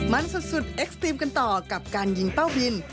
มันสุดเอ็กซ์ฟิล์มกันต่อกับการยิงเป้าบิน